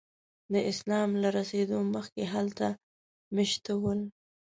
د اسلام له رسېدو مخکې هلته میشته ول.